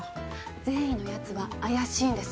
善意の奴は怪しいんです。